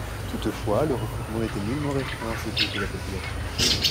Toutefois, le recrutement n'était nullement restreint à ces couches de la population.